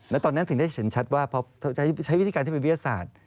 แล้วตอนนั้นถึงได้เห็นชัดว่าพอใช้วิธีการที่เป็นวิทยาศาสตร์